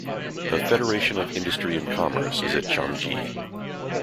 A Federation of Industry and Commerce is at Changji.